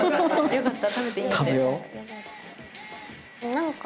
よかった。